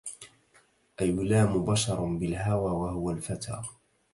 أيلام بشر بالهوى وهو الفتى